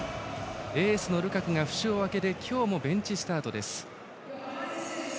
エースのルカクが負傷して今日もベンチスタートです。